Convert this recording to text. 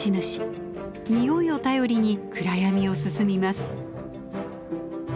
匂いを頼りに暗闇を進みます。